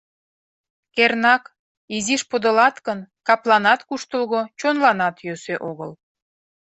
Кернак, изиш подылат гын, капланат куштылго, чонланат йӧсӧ огыл.